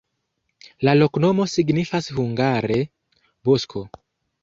La loknomo signifas hungare: bosko.